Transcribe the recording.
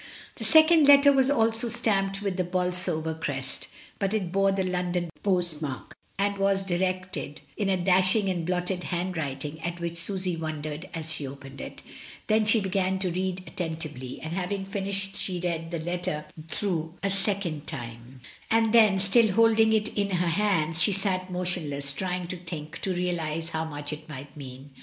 The second letter was also stamped with the Bolsover crest, but it bore the London post mark, and was directed in a dashing and blotted hand writing at which Susy wondered as she opened it Then she began to read attentively, and having fin ished she read the letter through a second time; and then, still holding it in her hands, she sat mo tionless trying to think, to realise how much it might mean.